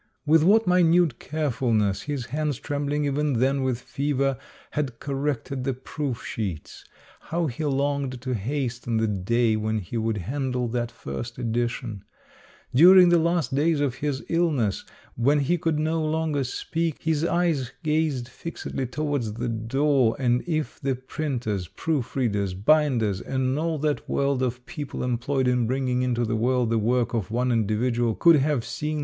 With what minute carefulness his hands, trembling even then with fever, had cor rected the proof sheets. How he longed to hasten the day when he would handle that first edition ! During the last days of his illness, when he could no longer speak, his eyes gazed fixedly towards the door, and if the printers, proof readers,,binders, and all that world of people employed in bringing into the world the work of one individual could have seen The Last Book.